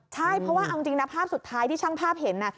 ใช่เพราะว่าเอาจริงนะภาพสุดท้ายที่ช่างภาพเห็น